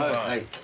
はい。